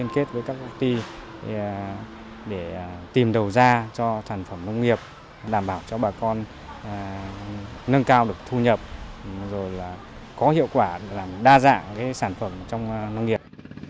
nâng cao được thu nhập có hiệu quả làm đa dạng sản phẩm trong nông nghiệp